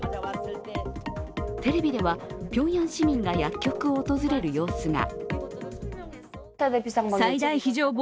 テレビではピョンヤン市民が薬局を訪れる様子が。